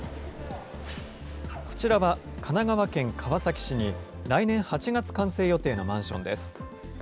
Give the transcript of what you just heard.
こちらは神奈川県川崎市に来年８月完成予定のマンションです。